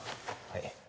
はい